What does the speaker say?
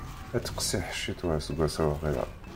Ad tiqsiḥ ccetwa aseggas-a waqila.